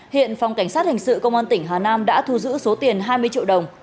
hiện phòng cảnh sát hình sự công an tỉnh hà nam đã thu giữ số tiền hai mươi triệu đồng